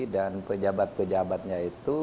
dan pejabat pejabatnya itu